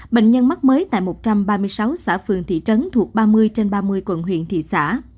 bệnh nhân mắc mới tại một trăm ba mươi sáu xã phường thị trấn thuộc ba mươi trên ba mươi quận huyện thị xã